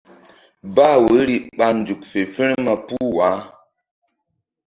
Bah woyri ɓa nzuk fe firma puh wah.